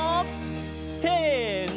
せの！